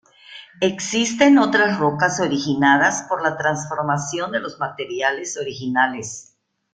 Existen otras rocas originadas por la transformación de los materiales originales.